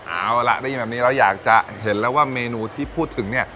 เอาล่ะได้ยินแบบนี้แล้วอยากจะเห็นแล้วว่าเมนูที่พูดถึงเนี่ย